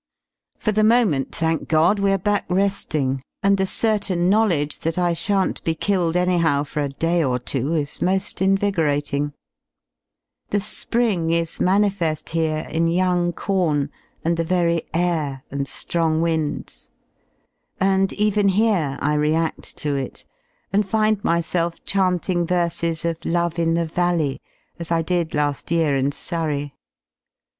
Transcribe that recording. For the moment, thank God, we are back reding, and the certain knowledge that I shan't be killed anyhow for a ^ day or two is mo^ invigorating. The spring is manife^ here, in young corn, and the very 1 1 ^yr^ .. (^air and ^rong winds: and even here I read to it, and find ^ t^^'^.v'^l '^??il ^^^f^liilS v^^§^_P^,"Love in the Valley" as I did ^ A^" I laiS year in Surrey.